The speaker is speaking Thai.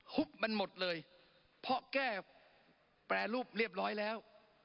มันหมดเลยเพราะแก้แปรรูปเรียบร้อยแล้ว